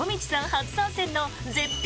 初参戦の絶品！